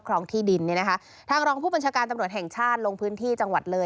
ขณะที่นายโน้นพาโดนพฤกษาวันอดีต